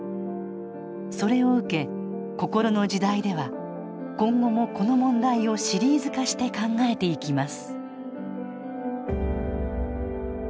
それを受け「こころの時代」では今後もこの問題をシリーズ化して考えていきます